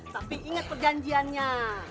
tapi ingat perjanjiannya